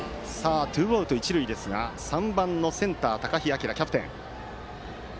ツーアウト、一塁ですがバッターは３番センター高陽章、キャプテン。